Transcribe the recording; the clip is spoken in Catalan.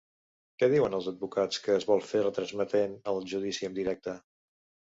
Què diuen els advocats que es vol fer retransmetent el judici en directe?